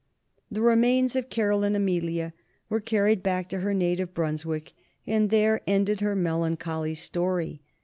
The remains of Caroline Amelia were carried back to her native Brunswick, and there ended her melancholy story.